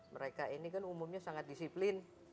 mereka ini kan umumnya sangat disiplin